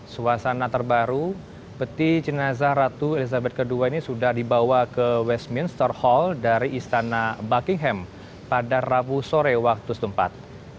suasana terbaru peti jenazah ratu elizabeth ii ini sudah dibawa ke westminster hall dari istana buckingham pada rabu sore waktu setempat